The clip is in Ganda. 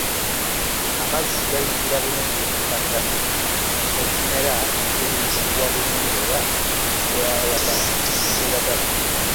Amazzi gayingira bulungi mu ttak ekimera ne kiriisibwa bulungi era ne kyeyagala.